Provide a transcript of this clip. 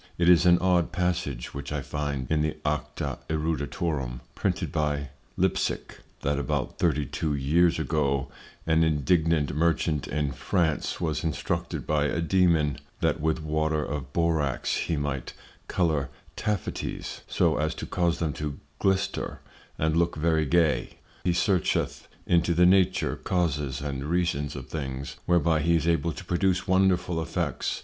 It is an odd passage which I find in the Acta Eruditorum, printed by Lipsick, that about Thirty two Years ago an indigent Merchant in France was instructed by a Dæmon, that with Water of Borax he might colour Taffities, so as to cause them to glister and look very gay: He searcheth into the Nature, Causes, and Reasons of things, whereby he is able to produce wonderful effects.